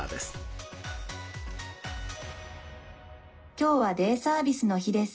「今日はデイサービスの日です。